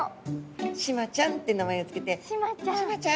シマちゃんって名前を付けて「シマちゃん」。